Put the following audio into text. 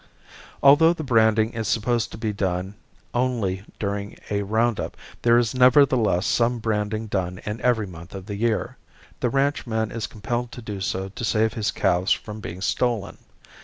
Although the branding is supposed to be done only during a round up there is nevertheless some branding done in every month of the year. The ranchman is compelled to do so to save his calves from being stolen.